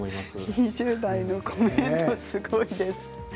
２０代のコメントすごいです。